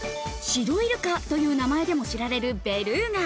シロイルカという名前でも知られるベルーガ。